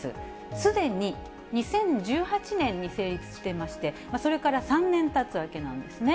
すでに２０１８年に成立してまして、それから３年たつわけなんですね。